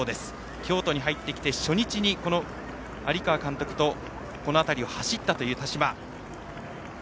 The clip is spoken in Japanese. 京都に入って、初日に有川監督とこの辺りを走ったという田島。